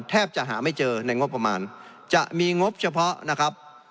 แทบจะหาไม่เจอในงบประมาณจะมีงบเฉพาะนะครับ